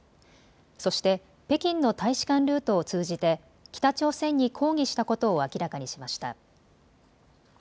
そして北京の大使館ルートを通じて北朝鮮に抗議したことを明らかにしました。